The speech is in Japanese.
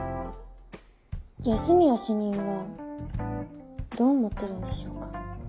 安洛主任はどう思ってるんでしょうか？